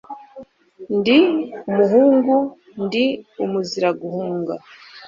Ndi umuhungu ndi umuzira guhunga.